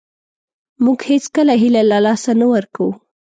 موږ هېڅکله هیله له لاسه نه ورکوو .